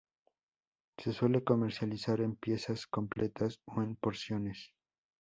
Se suele comercializar en piezas completas o en porciones.